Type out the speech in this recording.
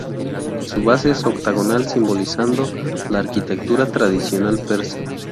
Su base es octogonal, simbolizando la arquitectura tradicional persa.